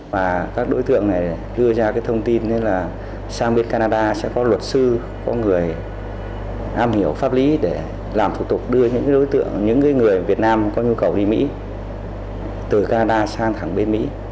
và các đối tượng này đưa ra cái thông tin là sang bên canada sẽ có luật sư có người am hiểu pháp lý để làm thủ tục đưa những đối tượng những người việt nam có nhu cầu đi mỹ từ canada sang thẳng bên mỹ